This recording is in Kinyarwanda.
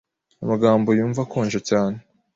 Amagambo yumva akonje cyane.